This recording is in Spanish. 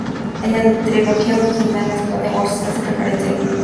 En la trilogía original, las Clone Wars se hace referencia en "Una Nueva Esperanza".